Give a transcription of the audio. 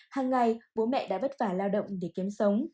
hàng ngày bố mẹ đã vất vả lao động để kiếm sống